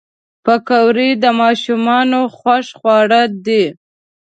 پکورې د ماشومانو خوښ خواړه دي